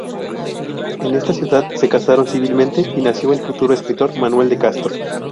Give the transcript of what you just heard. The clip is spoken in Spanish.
En esta ciudad se casaron civilmente y nació el futuro escritor Manuel de Castro.